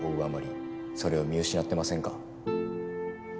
あまりそれを見失ってませんか？